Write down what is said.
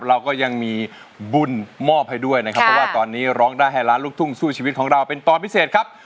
เราก็ยังมีบุญมอบให้ด้วยนะครับเพราะว่าตอนนี้ร้องได้ให้ล้านลูกทุ่งสู้ชีวิตของเราเป็นตอนพิเศษครับ